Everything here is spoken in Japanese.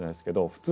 普通